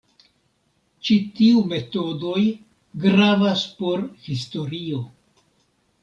Ĉi tiu metodoj gravas por historio.